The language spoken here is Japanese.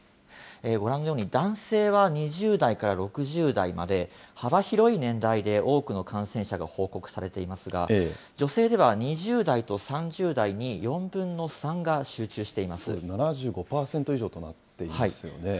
ご覧のように、男性は２０代から６０代まで、幅広い年代で多くの感染者が報告されていますが、女性では２０代と３０代に４７５％以上となっていますよ